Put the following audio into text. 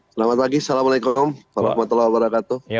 selamat pagi assalamualaikum